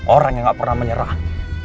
orang yang gak pernah menyerah